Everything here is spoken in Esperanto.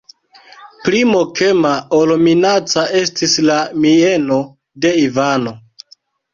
Pli mokema ol minaca estis la mieno de Ivano.